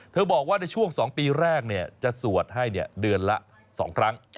บอกว่าในช่วง๒ปีแรกจะสวดให้เดือนละ๒ครั้ง